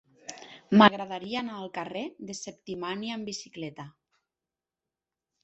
M'agradaria anar al carrer de Septimània amb bicicleta.